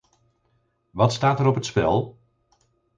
Wat staat er op het spel?